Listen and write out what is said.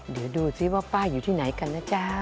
เดี๋ยวดูซิว่าป้าอยู่ที่ไหนกันนะจ๊ะ